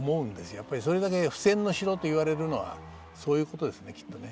やっぱりそれだけ不戦の城と言われるのはそういうことですねきっとね。